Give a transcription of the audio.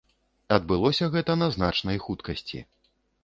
Адбылося гэта на значнай хуткасці.